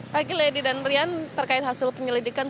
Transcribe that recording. pagi lady dan rian terkait hasil penyelidikan